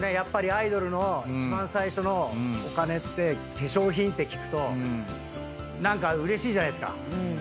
アイドルの一番最初のお金って化粧品って聞くと何かうれしいじゃないですか。